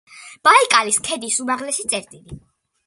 ბაიკალის ქედის უმაღლესი წერტილი.